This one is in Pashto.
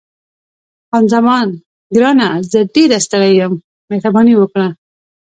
خان زمان: ګرانه، زه ډېره ستړې یم، مهرباني وکړه.